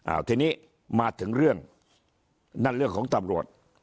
ทีนี้มาถึงเรื่องนั่นเรื่องของตำรวจ